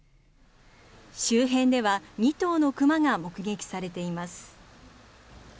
周辺では２頭の熊が目撃されています。